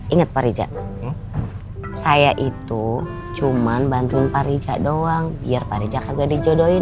inget pak rizal saya itu cuman bantuin pak rizal doang biar pak rizal kagak dijodohin